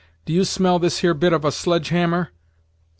do you smell this here bit of a sledge hammer?"